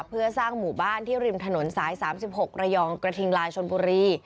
เพื่อสร้างหมู่บ้านที่ริมถนนสาย๓๖ระยองกระทิงลายชนบุรี